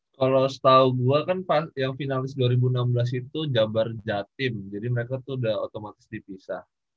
kalau setahu gue kan yang finalis dua ribu enam belas itu jabar jatim jadi mereka tuh udah otomatis dipisah